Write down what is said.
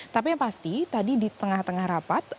tapi yang pasti tadi di tengah tengah rapat